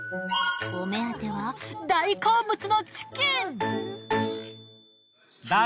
お目当ては大好物のチキン。